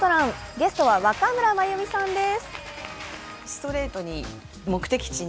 ゲストは若村麻由美さんです。